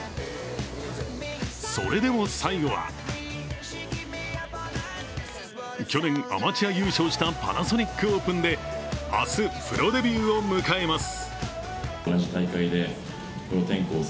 それでも最後は去年、アマチュア優勝したパナソニックオープンで明日、プロデビューを迎えます。